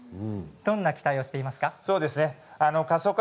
どんな期待をしていますか。